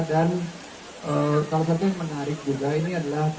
dan kalau saya pikir menarik juga ini adalah